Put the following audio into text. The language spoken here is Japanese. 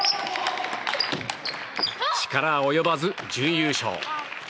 力及ばず、準優勝。